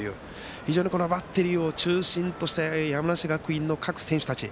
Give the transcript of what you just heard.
非常にバッテリーを中心とした山梨学院の各選手たち。